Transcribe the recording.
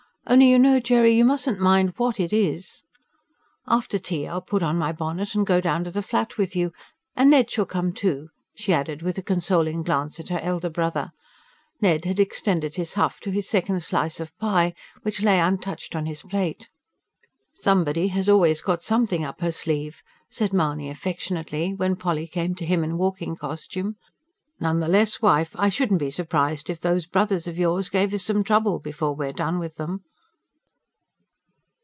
Only you know, Jerry, you mustn't mind WHAT it is. After tea I'll put on my bonnet and go down to the Flat with you. And Ned shall come, too," she added, with a consoling glance at her elder brother: Ned had extended his huff to his second slice of pie, which lay untouched on his plate. "Somebody has always got something up her sleeve," said Mahony affectionately, when Polly came to him in walking costume. "None the less, wife, I shouldn't be surprised if those brothers of yours gave us some trouble, before we're done with them."